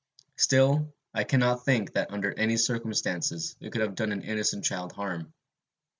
Still, I cannot think, that, under any circumstances, it could have done an innocent child harm.